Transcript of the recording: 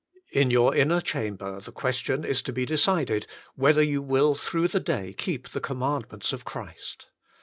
In your inner chamber the question is to be decided whether you will through the day keep the commandments of Christ.